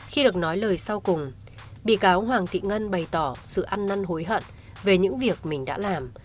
khi được nói lời sau cùng bị cáo hoàng thị ngân bày tỏ sự ăn năn hối hận về những việc mình đã làm